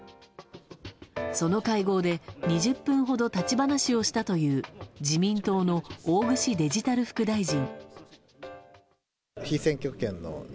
その会合で２０分ほど立ち話をしたという自民党の大串デジタル副大臣。